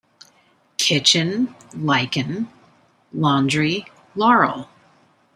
Kitchen, lichen; laundry, laurel;